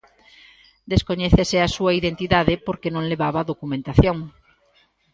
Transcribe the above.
Descoñécese a súa identidade, porque non levaba documentación.